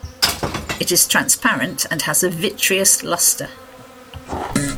It is transparent and has a vitreous luster.